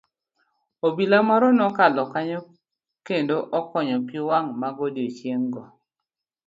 Obila moro nokalo kanyo kendo okonye pii wang' magodiochieng' go.